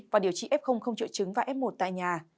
và điều trị f triệu chứng và f một tại nhà